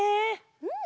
うん！